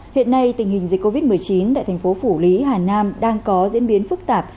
hiện nay tình hình dịch covid một mươi chín tại thành phố phủ lý hà nam đang có diễn biến phức tạp